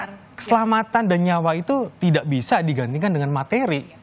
karena keselamatan dan nyawa itu tidak bisa digantikan dengan materi